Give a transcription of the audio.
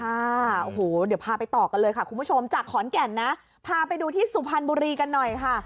โอ้โหเดี๋ยวพาไปต่อกันเลยค่ะคุณผู้ชมจากขอนแก่นนะพาไปดูที่สุพรรณบุรีกันหน่อยค่ะ